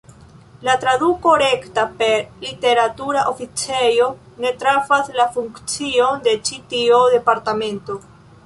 La traduko rekta per "literatura oficejo" ne trafas la funkcion de ĉi tio departemento.